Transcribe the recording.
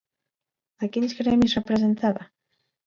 A quins gremis representava?